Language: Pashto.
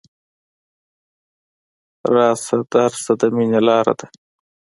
راشه درشه د ميني لاره ده